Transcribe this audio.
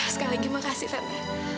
sekali lagi terima kasih tante